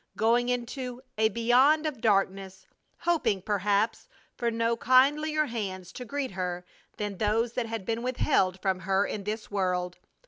Going into a beyond of darkness, hoping, perhaps, for no kindlier hands to greet her than those that had been withheld from her in this world!